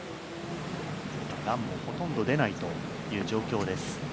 ランもほとんど出ないという状況です。